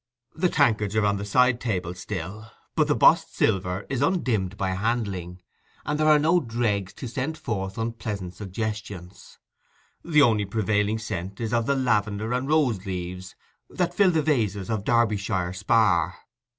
The tankards are on the side table still, but the bossed silver is undimmed by handling, and there are no dregs to send forth unpleasant suggestions: the only prevailing scent is of the lavender and rose leaves that fill the vases of Derbyshire spar.